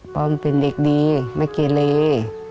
ฝ่อมันเป็นเด็กดีไม่เกลีย